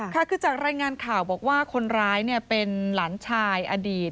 ค่ะคือจากรายงานข่าวบอกว่าคนร้ายเป็นหลานชายอดีต